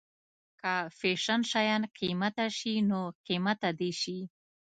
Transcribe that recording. که فیشن شيان قیمته شي نو قیمته دې شي.